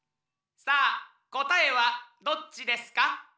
さあこたえはどっちですか？